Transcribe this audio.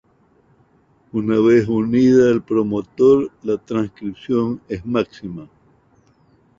Una vez unida al promotor la transcripción es máxima.